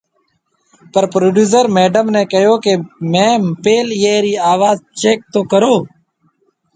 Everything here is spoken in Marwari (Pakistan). پر پروڊيوسر ميڊم ني ڪهيو ڪي، ميم پيل ايئي ري آواز چيڪ تو ڪرو